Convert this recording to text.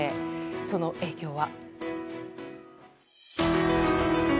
その影響は。